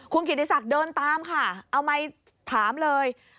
คุณกิติศักดิ์เดินตามค่ะเอาไมค์ถามเลย